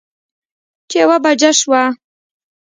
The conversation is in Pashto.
چې يوه بجه شوه